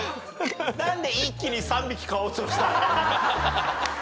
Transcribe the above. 何で一気に３匹飼おうとした？